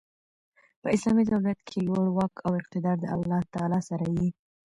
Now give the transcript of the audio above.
په اسلامي دولت کښي لوړ واک او اقتدار د الله تعالی سره يي.